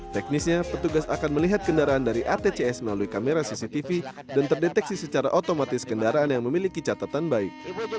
teknisnya petugas akan melihat kendaraan dari atcs melalui kamera cctv dan terdeteksi secara otomatis kendaraan yang memiliki catatan baik